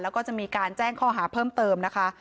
แล้วก็จะมีการแจ้งข้อหาเพิ่มเติมนะคะ